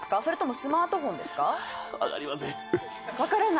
それともスマートフォンですか？